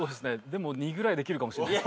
でも２ぐらいできるかもしれない。